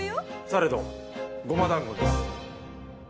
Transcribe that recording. されど胡麻団子です。